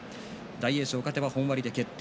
大栄翔、勝てば本割で決定。